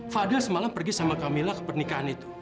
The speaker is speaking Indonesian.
fadil semalam pergi sama kamilah ke pernikahan itu